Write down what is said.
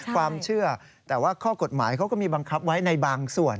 ความเชื่อแต่ว่าข้อกฎหมายเขาก็มีบังคับไว้ในบางส่วน